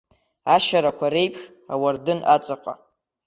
Ашьарақәа реиԥш ауардын аҵаҟа.